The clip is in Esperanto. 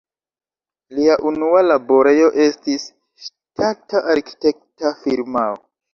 Lia unua laborejo estis ŝtata arkitekta firmao.